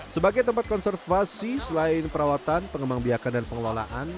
sebagai tempat konservasi selain perawatan pengembang biakan dan pengelolaan